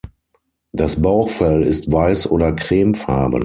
Das Bauchfell ist weiß oder cremefarben.